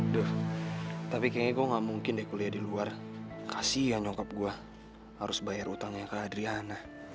duh tapi kayaknya kok gak mungkin deh kuliah di luar kasian nyokap gua harus bayar utangnya ke adriana